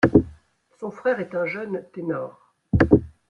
Son frère est un jeune ténor.